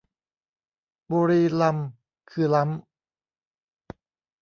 บุรีรัมย์คือล้ำ